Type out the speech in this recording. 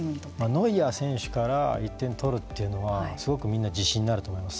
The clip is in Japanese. ノイアー選手から１点取るというのはすごくみんな自信になると思います。